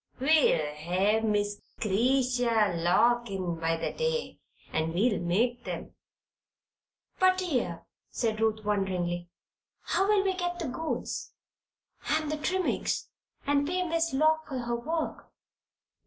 We'll hev Miss 'Cretia Lock in by the day, and we'll make 'em." "But, dear," said Ruth, wonderingly, "how will we get the goods and the trimmings and pay Miss Lock for her work?"